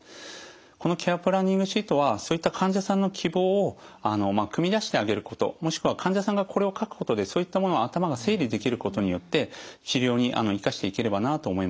このケア・プランニングシートはそういった患者さんの希望をくみ出してあげることもしくは患者さんがこれを書くことでそういったものを頭が整理できることによって治療に生かしていければなと思います。